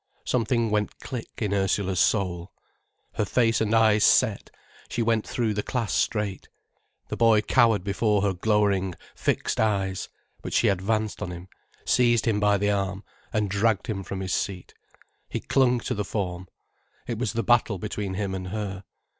Something went click in Ursula's soul. Her face and eyes set, she went through the class straight. The boy cowered before her glowering, fixed eyes. But she advanced on him, seized him by the arm, and dragged him from his seat. He clung to the form. It was the battle between him and her.